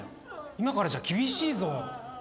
今からじゃ厳しいぞ。